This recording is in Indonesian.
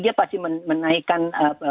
dia pasti menaikkan